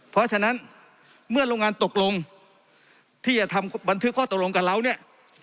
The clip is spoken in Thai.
เพราะฉะนั้นเมื่อโรงงานตกลงที่จะทำบันทึกข้อตกลงกับเราเนี่ย